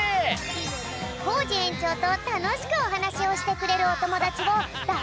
コージえんちょうとたのしくおはなしをしてくれるおともだちをだ